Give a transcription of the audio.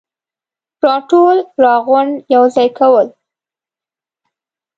راټول ، راغونډ ، يوځاي کول,